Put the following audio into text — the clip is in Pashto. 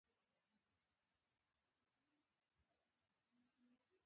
غوږ نیول یو مهارت دی.